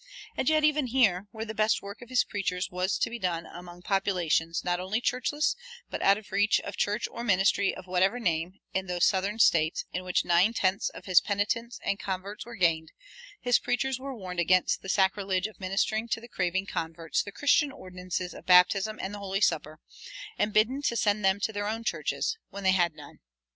And yet even here, where the best work of his preachers was to be done among populations not only churchless, but out of reach of church or ministry of whatever name, in those Southern States in which nine tenths of his penitents and converts were gained, his preachers were warned against the sacrilege of ministering to the craving converts the Christian ordinances of baptism and the holy supper, and bidden to send them to their own churches when they had none.